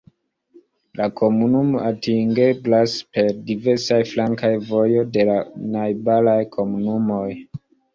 La komunumo atingeblas per diversaj flankaj vojo de la najbaraj komunumoj.